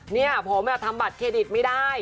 เนี่ยผมทำบัตรเครดิตไม่ได้